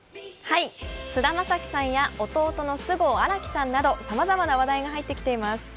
菅田将暉さんや弟の菅生新樹さんなどさまざまな話題が入ってきています。